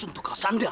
untuk kau sandal